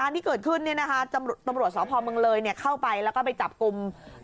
ตำรวจสวพอมึงเลยเข้าไปแล้วก็ไปจับกลุ่ม